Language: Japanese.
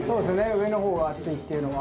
上の方が熱いっていうのは。